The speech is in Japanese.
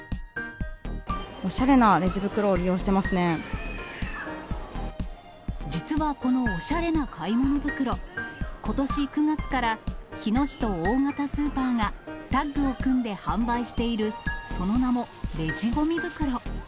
おしゃれなレジ袋を利用して実はこのおしゃれな買い物袋、ことし９月から、日野市と大型スーパーがタッグを組んで販売している、その名も、レジごみ袋。